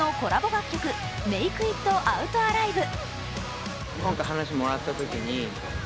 楽曲「ＭａｋｅＩｔＯｕｔＡｌｉｖｅ」。